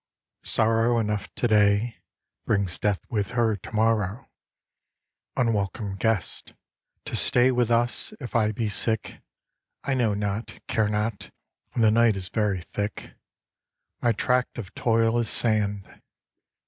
Sorrow enough to day Brings Death with her to morrow, Unwelcome guest, to stay With us. If I be sick I know not, care not, and The night is very thick; My tract of toil is sand.